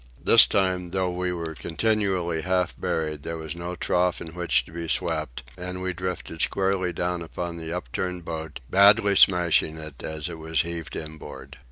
This time, though we were continually half buried, there was no trough in which to be swept, and we drifted squarely down upon the upturned boat, badly smashing it as it was heaved inboard.